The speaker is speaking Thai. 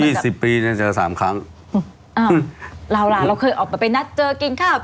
ยี่สิบปีเนี้ยเจอสามครั้งอ้าวเราเคยออกมาไปนัดเจอกินข้าว